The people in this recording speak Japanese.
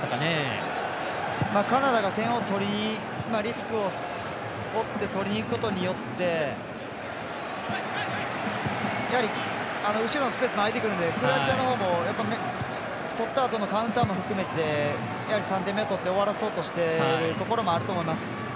カナダがリスクを負って点を取りにいくことによってやはり後ろのスペースも開いてくるのでクロアチアのほうもとったあとのカウンターも含めて３点目を取って終わらそうとしているところもあると思います。